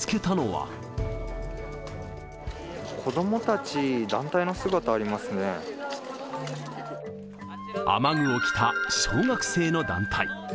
子どもたち、雨具を着た小学生の団体。